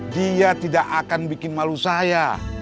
dia tidak akan bikin malu saya